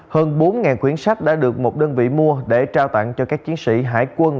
hơn bốn quyển sách đã được một đơn vị mua để trao tặng cho các chiến sĩ hải quân